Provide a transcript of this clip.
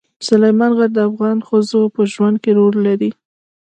سلیمان غر د افغان ښځو په ژوند کې رول لري.